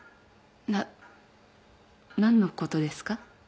な何のことですか？